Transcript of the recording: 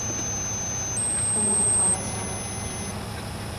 cun opa icsabudquieyoc